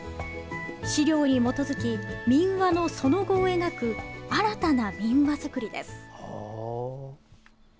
資料に基づき民話の、その後を描く新たな民話作りです。